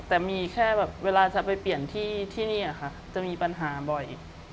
แต่มีแค่แบบเวลาจะไปเปลี่ยนที่นี่ค่ะจะมีปัญหาบ่อย